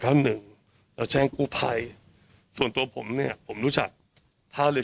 หนึ่งเราแจ้งกู้ภัยส่วนตัวผมเนี่ยผมรู้จักท่าเรือ